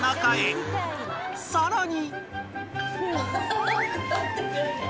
［さらに］